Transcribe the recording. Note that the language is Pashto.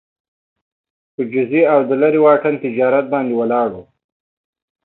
په جزیې او د لېرې واټن تجارت باندې ولاړه وه